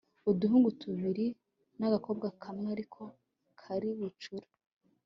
uduhungu tubiri nagakobwa kamwe ariko kari bucura